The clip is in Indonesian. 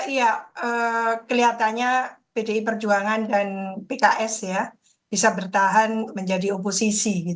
iya kelihatannya pdi perjuangan dan pks ya bisa bertahan menjadi oposisi